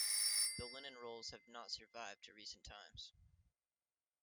The Linen Rolls have not survived to recent times.